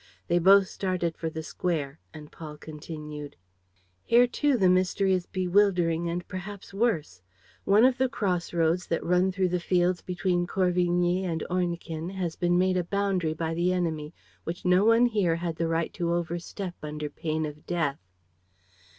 They both started for the square; and Paul continued: "Here, too, the mystery is bewildering and perhaps worse. One of the cross roads that run through the fields between Corvigny and Ornequin has been made a boundary by the enemy which no one here had the right to overstep under pain of death."